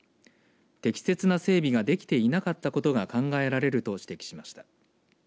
適切な整備ができていなかったことが考えられると指摘しました。